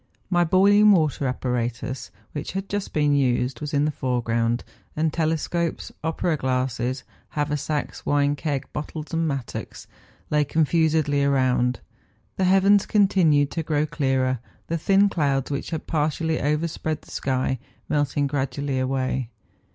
My boiling water apparatus, which had just been used, was in the foreground ; and telescopes, opera glasses, haver¬ sacks, wine keg, bottles, and mattocks, lay con¬ fusedly around. The heavens continued to grow clearer, the thin clouds, which had partially over¬ spread the sky, melting gradually away.